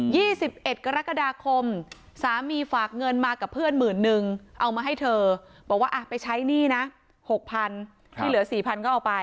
ี่สิบเอ็ดกรกฎาคมสามีฝากเงินมากับเพื่อนหมื่นนึงเอามาให้เธอบอกว่าอ่ะไปใช้หนี้นะหกพันที่เหลือสี่พันก็เอาไป